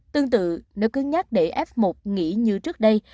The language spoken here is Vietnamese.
tương tự nếu cứ nhắc để f một nghỉ như trước đây